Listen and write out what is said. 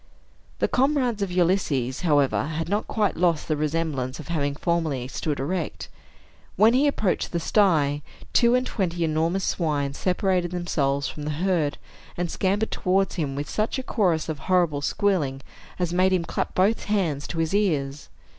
The comrades of Ulysses, however, had not quite lost the remembrance of having formerly stood erect. When he approached the sty, two and twenty enormous swine separated themselves from the herd, and scampered towards him, with such a chorus of horrible squealing as made him clap both hands to his ears.